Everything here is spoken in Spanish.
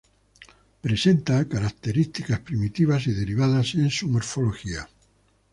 Presenta características primitivas y derivadas en su morfología.